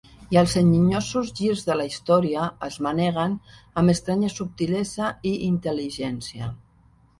I els enginyosos girs de la història es manegen amb estranya subtilesa i intel·ligència.